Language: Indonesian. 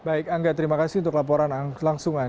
baik angga terima kasih untuk laporan langsungan